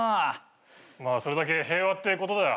それだけ平和ってことだよ。